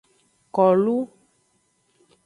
Kolu.